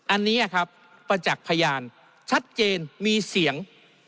อันนี้ครับประจักษ์พยานชัดเจนมีเสียง